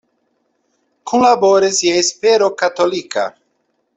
Kunlaboris je Espero Katolika.